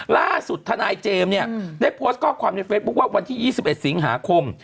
ล่าสุดทนายเจมส์เนี่ยได้โพสต์ข้อความในเฟซบุ๊คว่าวันที่๒๑สิงหาคม